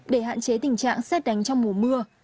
để hạn chế tình trạng xét đánh trong mùa mưa